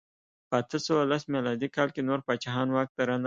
په اته سوه لس میلادي کال کې نور پاچاهان واک ته رانغلل.